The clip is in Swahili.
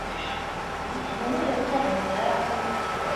atakuwa bora kwa utengenezaji wa tovuti